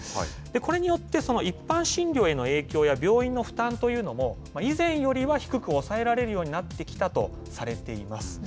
これによって、一般診療への影響や、病院の負担というのも、以前よりは低く抑えられるようになってきたとされています。